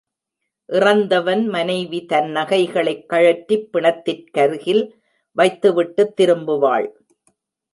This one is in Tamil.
இறந்தவன் மனைவி தன் நகைகளைக் கழற்றிப் பிணத்திற்கருகில் வைத்துவிட்டுத் திரும்புவாள்.